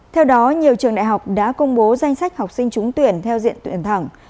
theo đó nhiều trường đại học đã công bố danh sách học sinh trúng tuyển theo diện tuyển thẳng